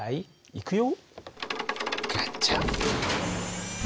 いくよ。